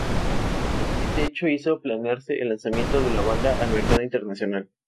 Este hecho hizo plantearse el lanzamiento de la banda al mercado internacional.